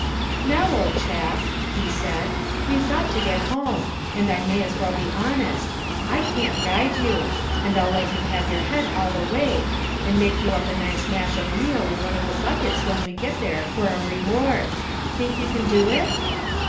"Now, old chap," he said, "we've got to get home, and I may as well be honest. I can't guide you, and I'll let you have your head all the way, and make you up a nice mash of meal in one of the buckets when we get there for a reward. Think you can do it?"